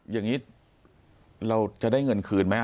อย่างนี้เราจะได้เงินคืนไหม